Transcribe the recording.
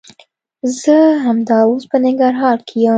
زه همدا اوس په ننګرهار کښي يم.